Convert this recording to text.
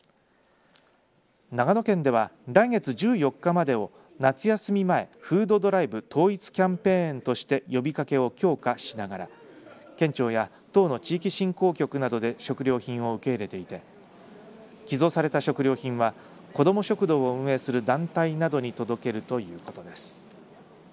長野県では来月１４日までを夏休み前フードドライブ統一キャンペーンとして呼びかけを強化しながら県庁や１０の地域、振興局などで食料品を受け入れていて寄贈された食料品は子ども食堂を運営する団体などに届けるということです。